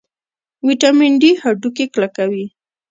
ویټامین ډي هډوکي کلکوي